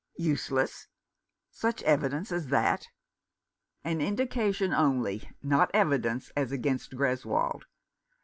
" Useless ? Such evidence as that !" "An indication only — not evidence as against Greswold.